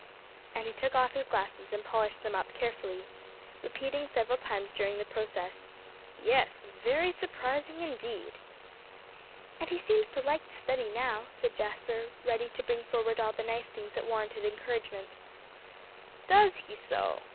And he took off his glasses and polished them up carefully, repeating several times during the process, "Yes, very surprising indeed!" "And he seems to like to study now," said Jasper, ready to bring forward all the nice things that warranted encouragement. "Does he so?"